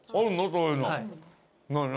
そういうの何何？